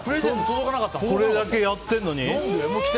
これだけやってるのに？